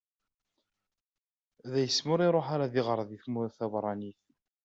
Daymi ur iruḥ ara ad iɣer deg tmurt taberranit.